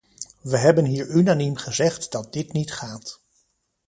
We hebben hier unaniem gezegd dat dit niet gaat.